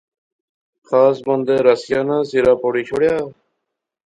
خاص بندے رسیا ناں سرا پوڑی شوڑیا